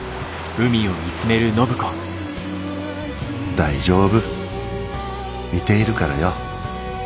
大丈夫見ているからよ。